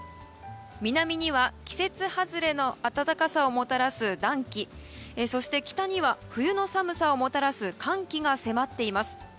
南には季節外れの暖かさをもたらす暖気そして北には冬の寒さをもたらす寒気が迫っています。